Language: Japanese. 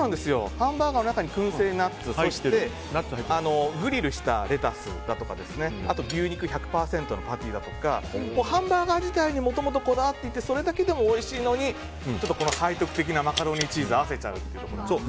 ハンバーガーの中に燻製ナッツそしてグリルしたレタスあと牛肉１００％のパテだとかハンバーガー自体にもともとこだわっていてそれだけでもおいしいのに背徳的なマカロニチーズを合わせちゃうという。